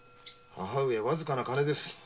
母上わずかの金です。